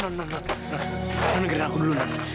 non negerin aku dulu non